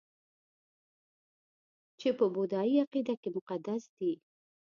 چې په بودايي عقیده کې مقدس دي